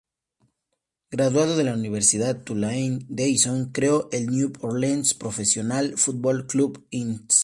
Graduado de la Universidad Tulane, Dixon creó el "New Orleans Professional Football Club, Inc.